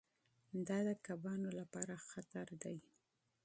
دا د کبانو لپاره خطر دی.